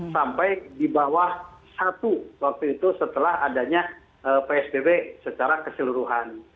sampai di bawah satu waktu itu setelah adanya psbb secara keseluruhan